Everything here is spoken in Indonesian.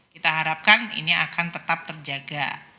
kita harapkan ini akan tetap terjaga